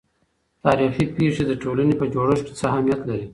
تاريخي پېښې د ټولنې په جوړښت کې څه اهمیت لري؟